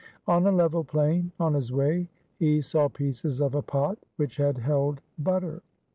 On a level plain on his way he saw pieces of a pot which had held butter.